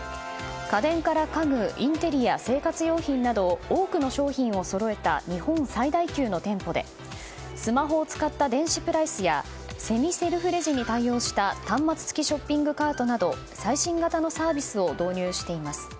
家電から家具インテリア、生活用品など多くの商品をそろえた日本最大級の店舗でスマホを使った電子プライスやセミセルフレジに対応した端末付きショッピングカートなど最新型のサービスを導入しています。